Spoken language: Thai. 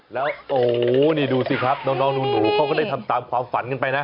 แล้วโอ้โหนี่ดูสิครับน้องหนูเขาก็ได้ทำตามความฝันกันไปนะ